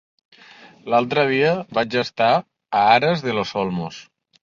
L'altre dia vaig estar a Aras de los Olmos.